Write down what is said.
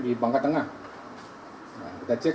di bangka tengah kita cek